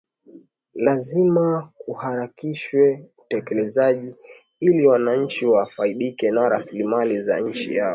Lazima kuharakishwe utekelezaji ili wananchi wafaidike na rasilimali za nchi yao